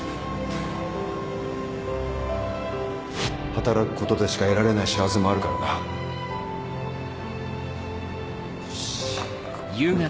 働くことでしか得られない幸せもあるからよし！